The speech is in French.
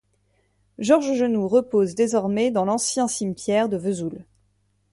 Georges Genoux repose désormais dans l'Ancien cimetière de Vesoul.